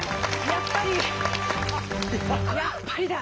やっぱりだ。